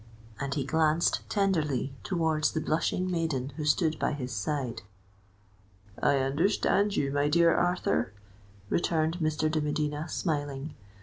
"—and he glanced tenderly towards the blushing maiden who stood by his side. "I understand you, my dear Arthur," returned Mr. de Medina, smiling.